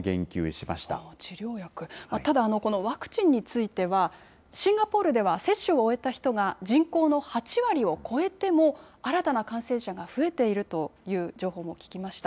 ただ、このワクチンについては、シンガポールでは接種を終えた人が人口の８割を超えても、新たな感染者が増えているという情報も聞きました。